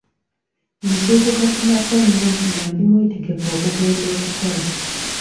Nzuukuka kumakya nnyo nga ndi mwetegefu okugenda okukola.